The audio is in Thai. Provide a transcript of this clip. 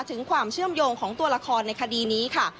ถึงความเชื่อมโยงของตัวละครในคดีนี้ค่ะ